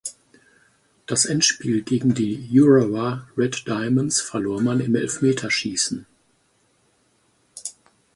Das Endspiel gegen die Urawa Red Diamonds verlor man im Elfmeterschießen.